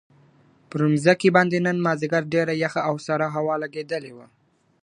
پر مځکي باندې نن ماځیګر ډېره یخه او سړه هوا لګېدلې وه.